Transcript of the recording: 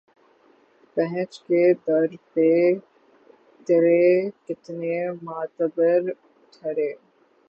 پہنچ کے در پہ ترے کتنے معتبر ٹھہرے